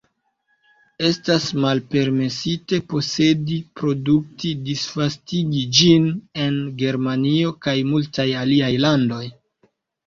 Estas malpermesite posedi, produkti, disvastigi ĝin en Germanio kaj multaj aliaj landoj.